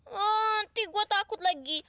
nanti gua takut lagi